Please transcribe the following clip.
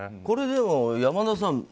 これ、でも山田さん